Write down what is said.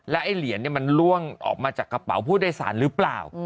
ไอ้เหรียญมันล่วงออกมาจากกระเป๋าผู้โดยสารหรือเปล่า